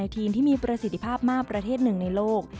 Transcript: ทีมที่มีประสิทธิภาพมากประเทศหนึ่งในโลก